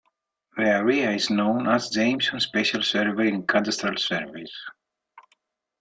The area is known as Jamieson's Special Survey in cadastral surveys.